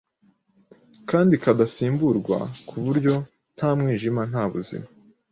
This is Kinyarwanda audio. kandi kadasimburwa ku buryo “nta mwijima, nta buzima”.